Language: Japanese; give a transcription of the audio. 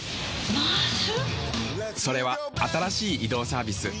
それは新しい移動サービス「ＭａａＳ」。